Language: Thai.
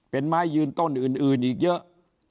เป็นไม้ยืนต้นอื่นอีกเยอะ